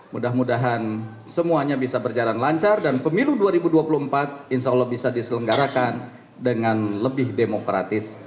mudah mudahan semuanya bisa berjalan lancar dan pemilu dua ribu dua puluh empat insya allah bisa diselenggarakan dengan lebih demokratis